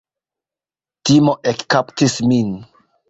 Timo ekkaptis min.